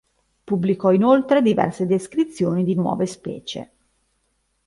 Pubblicò inoltre diverse descrizioni di nuove specie.